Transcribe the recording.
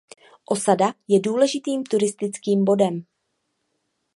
Osada je důležitým turistickým bodem.